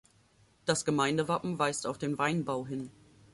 Das Gemeindewappen weist auf den Weinbau hin.